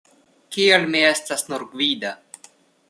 Kial mi estas "nur gvida"?